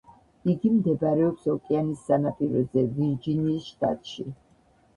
იგი მდებარეობს ოკეანის სანაპიროზე, ვირჯინიის შტატში.